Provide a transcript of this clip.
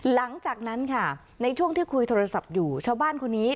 หลังจากนั้นค่ะในช่วงที่คุยโทรศัพท์อยู่ชาวบ้านคนนี้